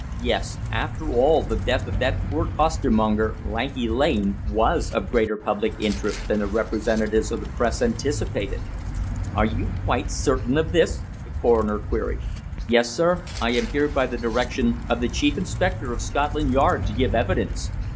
Yes. After all, the death of that poor costermonger, Lanky Lane, was of greater public interest than the representatives of the Press anticipated. "Are you quite certain of this?" the coroner queried. "Yes, sir. I am here by the direction of the Chief Inspector of Scotland Yard to give evidence.